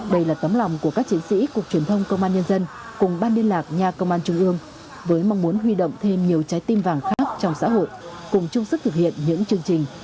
đây là tấm lòng của các chiến sĩ cục truyền thông công an nhân dân cùng ban liên lạc nha công an trung ương với mong muốn huy động thêm nhiều trái tim vàng khác trong xã hội cùng chung sức thực hiện những chương trình